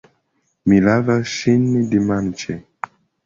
Mi lavas ŝin dimanĉe.